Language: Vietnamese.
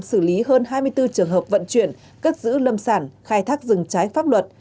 xử lý hơn hai mươi bốn trường hợp vận chuyển cất giữ lâm sản khai thác rừng trái pháp luật